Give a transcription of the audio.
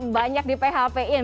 banyak di php in